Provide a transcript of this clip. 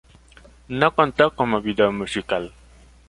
No contó como video musical.